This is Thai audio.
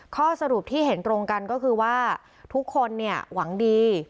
ข้อสรุปที่เห็นตรงกันก็คือว่าทุกคนเนี่ยหวังดี